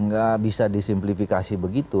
gak bisa disimplifikasi begitu